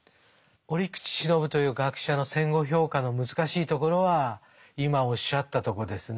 折口信夫という学者の戦後評価の難しいところは今おっしゃったとこですね。